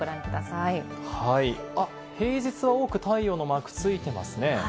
平日は多く太陽のマークがついていますね。